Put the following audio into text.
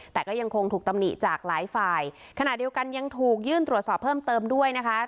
แต่ก็ยังคงถูกตำหนิจากหลายฝ่ายขณะเดียวกันยังถูกยื่นตรวจสอบเพิ่มเติมด้วยนะคะ